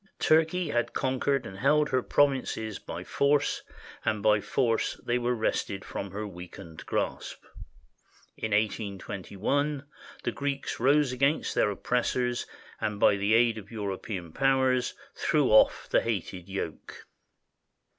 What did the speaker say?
Turkey had conquered and held her provinces by force, and by force they were wrested from her weakened grasp. In 182 1, the Greeks rose against their oppressors and by the aid of European powers threw off the hated yoke.